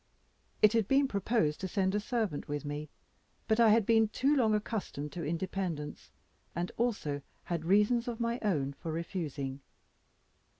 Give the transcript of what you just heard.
It had been proposed to send a servant with me, but I had been too long accustomed to independence, and also had reasons of my own for refusing.